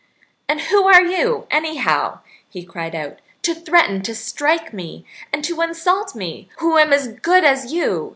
"And who are you, anyhow," he cried out, "to threaten to strike me and to insult me, who am as good as you?